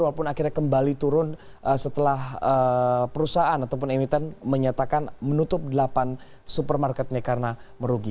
walaupun akhirnya kembali turun setelah perusahaan ataupun emiten menyatakan menutup delapan supermarketnya karena merugi